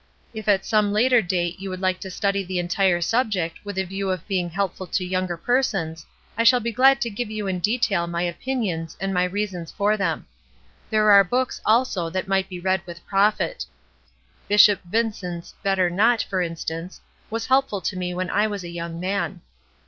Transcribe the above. If at some later date you would Hke to study the entire subject with a view to being helpful to younger persons, I shall be glad to give you in detail my opinions and my reasons for them. There are books, also, that might be read with profit. Bishop Vmcent's 'Better Not,' for instance, was help ful to me when I was a young man.